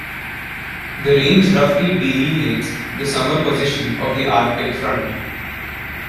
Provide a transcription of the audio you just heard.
The range roughly delineates the summer position of the Arctic front.